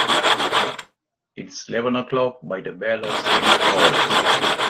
It's eleven o'clock by the bell of Saint Paul's.